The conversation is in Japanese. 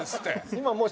今もう。